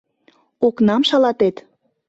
Окнам шалатет...